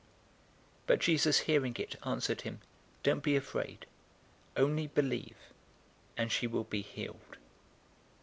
008:050 But Jesus hearing it, answered him, "Don't be afraid. Only believe, and she will be healed."